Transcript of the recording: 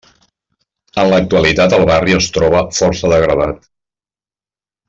En l'actualitat el barri es troba força degradat.